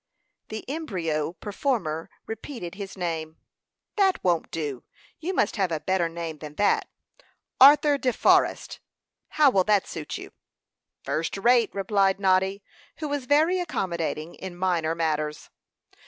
The embryo performer repeated his name. "That won't do; you must have a better name than that. Arthur De Forrest how will that suit you?" "First rate," replied Noddy, who was very accommodating in minor matters.